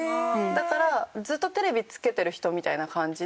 だからずっとテレビつけてる人みたいな感じで。